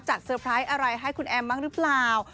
จัดเซอร์ไพรส์อะไรให้คุณแอมมักรึเปล่า